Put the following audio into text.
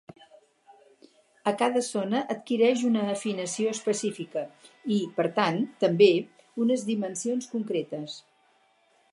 A cada zona adquireix una afinació específica i, per tant, també, unes dimensions concretes.